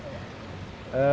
budget yang diperlukan